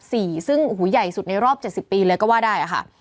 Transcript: ซึ่งโอ้โหใหญ่สุดในรอบ๗๐ปีเลยก็ว่าได้อะค่ะ